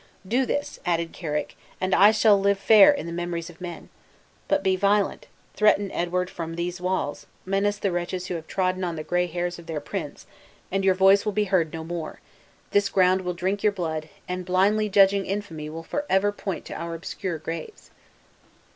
"Do this," added Carrick, "and I shall live fair in the memories of men. But be violent, threaten Edward from these walls, menace the wretches who have trodden on the gray hairs of their prince, and your voice will be heard no more; this ground will drink your blood, and blindly judging infamy will forever after point to our obscure graves!"